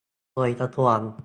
โดยกระทรวง